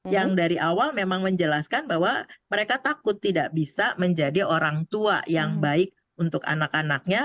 yang dari awal memang menjelaskan bahwa mereka takut tidak bisa menjadi orang tua yang baik untuk anak anaknya